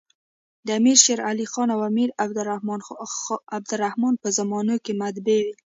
د امیر شېرعلي خان او امیر عبدالر حمن په زمانو کي مطبعې وې.